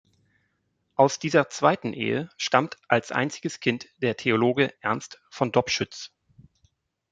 Aus dieser zweiten Ehe stammt als einziges Kind der Theologe Ernst von Dobschütz.